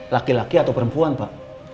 laki laki atau perempuan pak